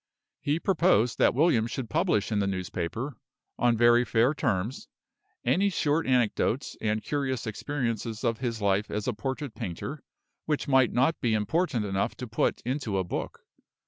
He proposed that William should publish in the newspaper, on very fair terms, any short anecdotes and curious experiences of his life as a portrait painter, which might not be important enough to put into a book.